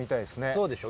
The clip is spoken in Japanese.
そうでしょ。